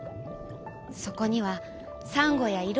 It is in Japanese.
そこにはサンゴやいろ